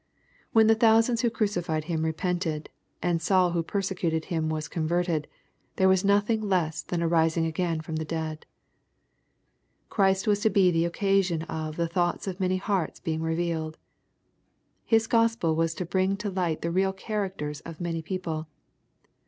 When the thousands who crucified Him repented, and Saul who persecuted Him was converted, there was nothing less than a rising again from the dead. Christ was to be the occasion of '• the thoughts of many hearts being revealed." His Gospel was to bring to light the real characters of many people.